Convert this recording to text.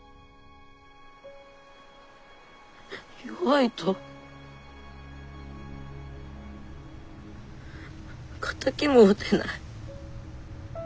弱いと敵も討てない。